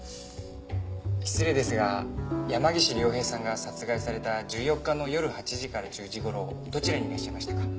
失礼ですが山岸凌平さんが殺害された１４日の夜８時から１０時頃どちらにいらっしゃいましたか？